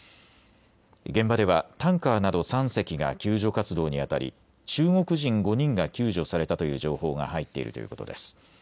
現場ではタンカーなど３隻が救助活動にあたり中国人５人が救助されたという情報が入っているということです。